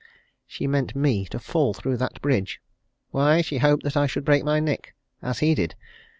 She meant me to fall through that bridge. Why? She hoped that I should break my neck as he did!